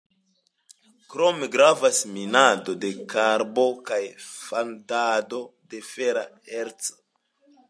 Krome gravas minado de karbo kaj fandado de fera erco.